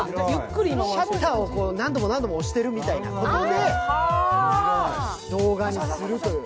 シャッターを何度も何度も押しているみたいな感じで動画にするという。